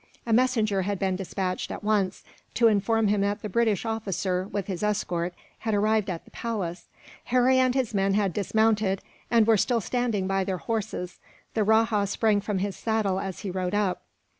A messenger had been despatched, at once, to inform him that the British officer, with his escort, had arrived at the palace. Harry and his men had dismounted, and were still standing by their horses. The rajah sprang from his saddle as he rode up.